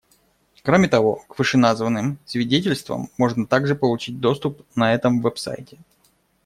Кроме того, к вышеназванным свидетельствам можно также получить доступ на этом веб-сайте.